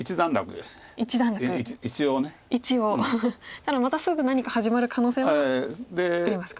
ただまたすぐ何か始まる可能性はありますか。